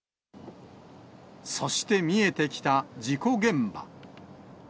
そして見えてきた事故現場。